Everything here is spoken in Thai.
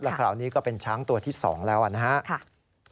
คราวนี้ก็เป็นช้างตัวที่๒แล้วนะครับ